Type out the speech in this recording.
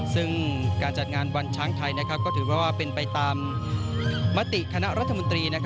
ซึ่งการจัดงานวันช้างไทยก็ถือว่าเป็นไปตามมติคณะรัฐมนตรี